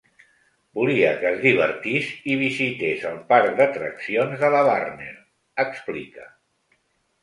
Volia que es divertís i visités el parc d’atraccions de la Warner, explica.